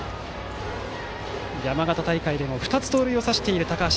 山形大会でも、２つ盗塁を刺している高橋。